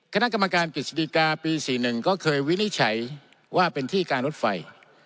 คณะกรรมการกฤษฎิกาปี๔๑ก็เคยวินิจฉัยว่าเป็นที่การรถไฟ